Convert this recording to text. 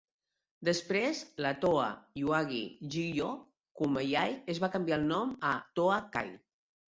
Després, la Toa Yuai Jigyo Kumiai es va canviar el nom a Toa-kai.